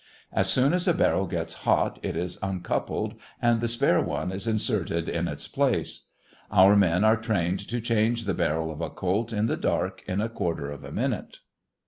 As soon as a barrel gets hot it is uncoupled and the spare one is inserted in its place. Our men are trained to change the barrel of a colt in the dark in a quarter of a minute.